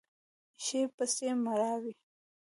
شي پسې مړاوی